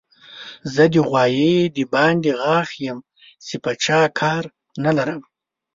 زه د غوايي د باندې غاښ يم؛ په چا کار نه لرم.